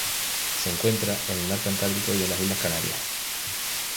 Se encuentra en el mar Cantábrico y las Islas Canarias.